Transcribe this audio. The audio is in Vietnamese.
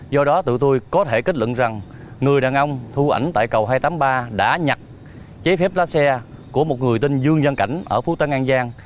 do đó tụi tôi có thể kết luận rằng người đàn ông thu ảnh tại cầu hai trăm tám mươi ba đã nhặt giấy phép lái xe của một người tên dương văn cảnh ở phú tân an giang